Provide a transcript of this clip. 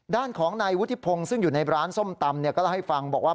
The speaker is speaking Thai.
ด้านของนายวุฒิพงศ์ซึ่งอยู่ในร้านส้มตำก็เล่าให้ฟังบอกว่า